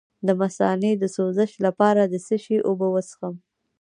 د مثانې د سوزش لپاره د څه شي اوبه وڅښم؟